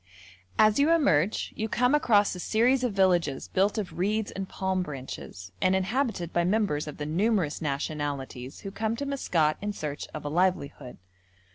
As you emerge you come across a series of villages built of reeds and palm branches, and inhabited by members of the numerous nationalities who come to Maskat in search of a livelihood.